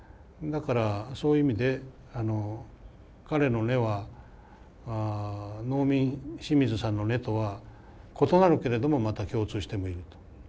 だからそういう意味で彼の根は農民清水さんの根とは異なるけれどもまた共通してもいると。